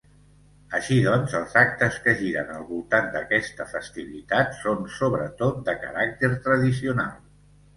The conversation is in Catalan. Així doncs, els actes que giren al voltant d'aquesta festivitat són sobretot de caràcter tradicional.